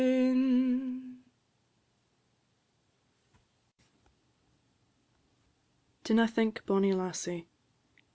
DINNA THINK, BONNIE LASSIE.